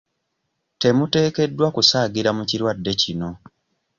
Temuteekeddwa kusaagira mu kirwadde kino.